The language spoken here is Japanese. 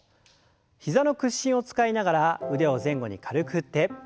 膝の屈伸を使いながら腕を前後に軽く振って。